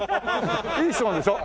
いい質問でしょ？